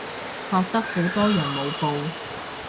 覺得好多人冇報